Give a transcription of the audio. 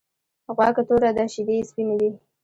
غوا که توره ده شيدې یی سپيني دی .